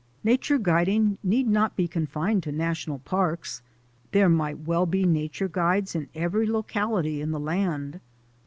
Nature guiding need not be confined to national parks. There might well be nature guides in every locality in the land.